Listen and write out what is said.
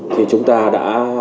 thì chúng ta đã